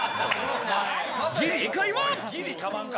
正解は。